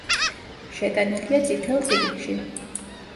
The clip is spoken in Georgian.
შეტანილია „წითელ წიგნში“.